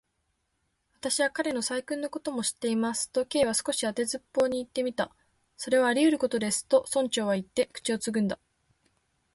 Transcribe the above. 「私は彼の細君のことも知っています」と、Ｋ は少し当てずっぽうにいってみた。「それはありうることです」と、村長はいって、口をつぐんだ。